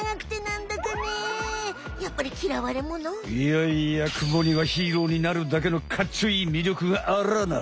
いやいやクモにはヒーローになるだけのかっちょいい魅力があらな！